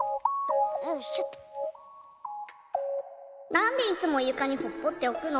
「なんでいつもゆかにほっぽっておくの？